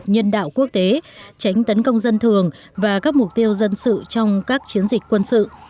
nhân đạo quốc tế tránh tấn công dân thường và các mục tiêu dân sự trong các chiến dịch quân sự